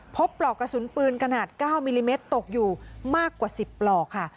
ปลอกกระสุนปืนขนาด๙มิลลิเมตรตกอยู่มากกว่า๑๐ปลอกค่ะ